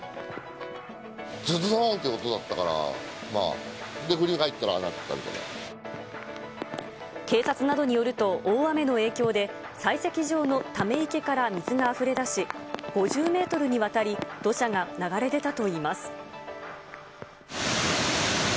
ずどーんって音だったから、警察などによると、大雨の影響で採石場のため池から水があふれ出し、５０メートルにわたり土砂が流れ出たといいます。